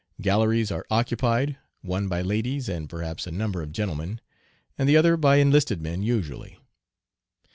Galleries are occupied, one by ladies, and, perhaps a number of gentlemen, and the other by enlisted men usually.